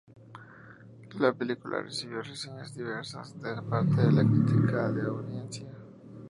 La película recibió reseñas diversas de parte de la crítica y la audiencia.